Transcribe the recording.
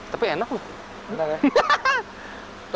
tapi enak loh